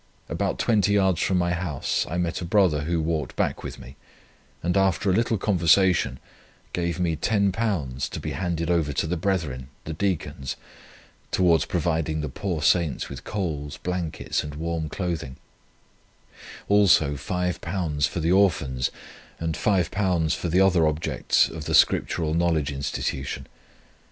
About twenty yards from my house, I met a brother who walked back with me, and after a little conversation gave me £10 to be handed over to the brethren, the deacons, towards providing the poor saints with coals, blankets and warm clothing; also £5 for the Orphans, and £5 for the other objects of the Scriptural Knowledge Institution.